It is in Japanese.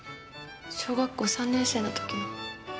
小学校３年生の時の。